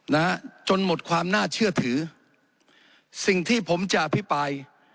นะฮะจนหมดความน่าเชื่อถือสิ่งที่ผมจะอภิปราย